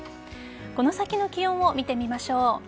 この先の気温を見てみましょう。